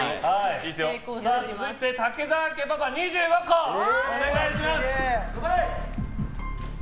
続いて武澤家パパ２５個お願いします。